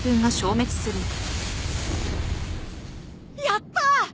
やった！